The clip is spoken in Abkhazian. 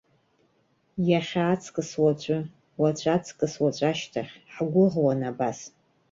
Иахьа аҵкьыс уаҵәы, уаҵәы аҵкьыс уаҵәашьҭахь, ҳгәыӷуан абас.